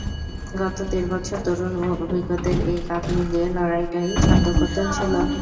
গত দেড় বছরে তরুণ ও অভিজ্ঞের এই কাঁধ মিলিয়ে লড়াইটায় ছন্দপতন ছিল।